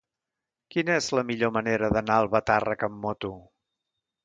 Quina és la millor manera d'anar a Albatàrrec amb moto?